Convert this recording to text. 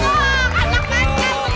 untuk anak banteng yeay